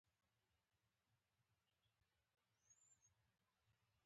خو دده له خولې نه یو ګړ هم نه خوت غلی و.